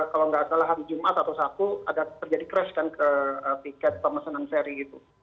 kalau nggak salah hari jumat atau sabtu ada terjadi crash kan ke tiket pemesanan seri itu